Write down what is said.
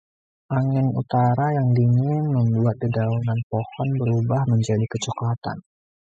Angin utara yang dingin membuat dedaunan pohon berubah menjadi kecoklatan.